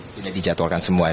sudah dijadwalkan semua